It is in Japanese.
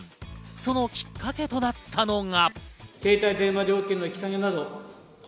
そのきっかけとなったのが。